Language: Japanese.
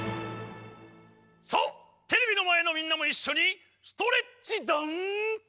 さあテレビの前のみんなもいっしょにストレッチだん！